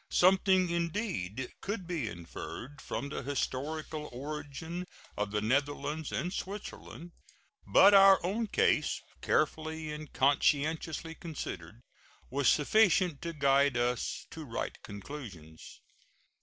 Something, indeed, could be inferred from the historical origin of the Netherlands and Switzerland. But our own case, carefully and conscientiously considered, was sufficient to guide us to right conclusions.